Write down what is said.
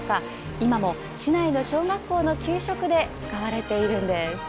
今も市内の小学校の給食で使われているんです。